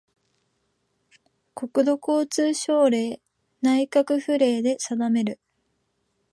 国土交通省令・内閣府令で定める